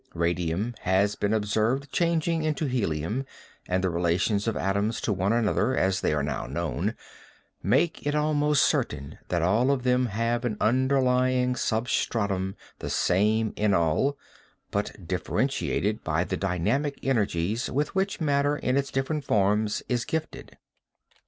Radium has been observed changing into helium and the relations of atoms to one another as they are now known, make it almost certain that all of them have an underlying sub stratum the same in all, but differentiated by the dynamic energies with which matter in its different forms is gifted.